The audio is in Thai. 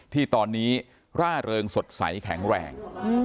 ที่ตอนนี้ร่าเริงสดใสแข็งแรง